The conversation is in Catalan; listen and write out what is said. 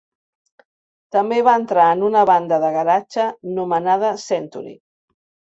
També va entrar en una banda de garatge nomenada "Century".